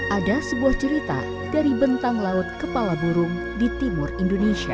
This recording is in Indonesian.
ada sebuah cerita dari bentang laut kepala burung di timur indonesia